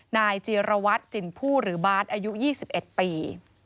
นายจีรวัตรจินผู้หรือบาทอายุ๒๑ปี